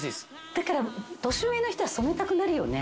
だから年上の人は染めたくなるよね。